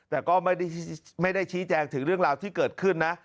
แต่ก็ไม่ได้ชี้แจงถึงเรื่องราวที่เกิดขึ้นนะ